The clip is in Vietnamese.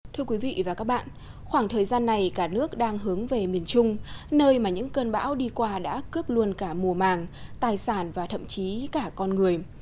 thưa quý vị và các bạn khoảng thời gian này cả nước đang hướng về miền trung nơi mà những cơn bão đi qua đã cướp luôn cả mùa màng tài sản và thậm chí cả con người